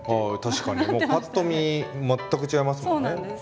確かにパッと見全く違いますもんね。